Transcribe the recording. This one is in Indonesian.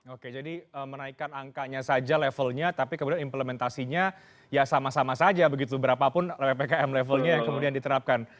oke jadi menaikkan angkanya saja levelnya tapi kemudian implementasinya ya sama sama saja begitu berapapun ppkm levelnya yang kemudian diterapkan